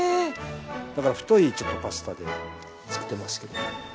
だから太いちょっとパスタでつくってますけど。